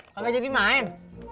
kagak jadi main